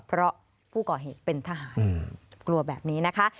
เพราะผู้ก่อเหตุเป็นทหารกลัวแบบนี้นะคะ